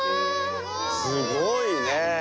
すごいね。